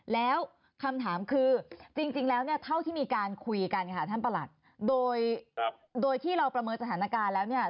แล้วคำถามคือจริงแล้วเนี่ยเท่าที่มีการคุยกันค่ะท่านประหลัดโดยที่เราประเมินสถานการณ์แล้วเนี่ย